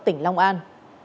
tỉnh long an